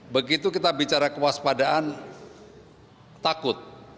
begitu kita bicara kewaspadaan takut